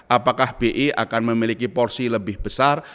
apakah bi akan memiliki porsi lebih besar